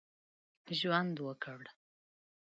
ژوند وکړ.